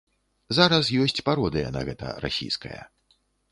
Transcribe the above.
Зараз ёсць пародыя на гэта расійская.